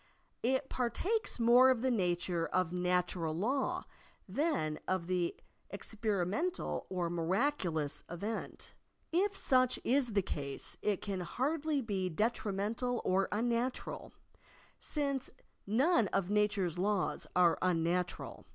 It partakes more of the nature of natural law than of an experi mental or miraculous event. If such is the case, it can hardly he detrimental or unnatural, since none of na ture's laws are unnatural.